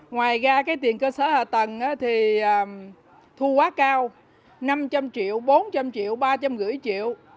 ngoài ra tiền cơ sở hạ tầng thì thu quá cao năm trăm linh triệu bốn trăm linh triệu ba trăm năm mươi triệu